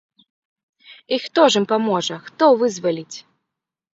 І хто ж ім паможа, хто вызваліць?